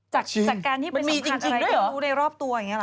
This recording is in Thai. จากการที่ไปสัมผัสอะไรอยู่ในรอบตัวอย่างนี้หรอ